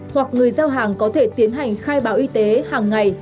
hoặc người giao hàng có thể tiến hành khai báo y tế hàng ngày